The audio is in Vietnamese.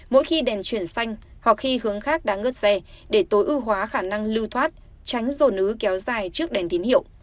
mỗi khi đèn chuyển xanh hoặc khi hướng khác đã ngớt xe để tối ưu hóa khả năng lưu thoát tránh dồn ứ kéo dài trước đèn tín hiệu